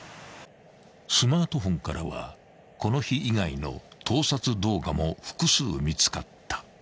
［スマートフォンからはこの日以外の盗撮動画も複数見つかった］